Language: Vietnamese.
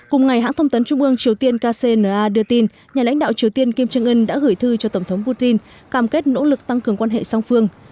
cùng ngày hãng thông tấn trung ương triều tiên kcna đưa tin nhà lãnh đạo triều tiên kim trương ưn đã gửi thư cho tổng thống putin cam kết nỗ lực tăng cường quan hệ song phương